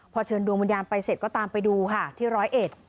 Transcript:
พอเชิญดวงวิญญาณไปเสร็จก็ตามไปดูค่ะที่ร้อยเอ็ด